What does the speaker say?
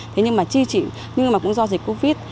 thế nhưng mà chi chỉ nhưng mà cũng do dịch covid